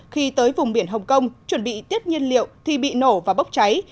khi tới vùng biển hồng kông chuẩn bị tiếp nhiên liệu thì bị nổ và bốc cháy